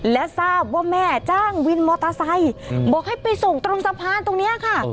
และทราบว่าแม่จ้างวินมอเตอร์ไซค์บอกให้ไปส่งตรงสะพานตรงนี้ค่ะ